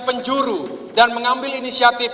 penjuru dan mengambil inisiatif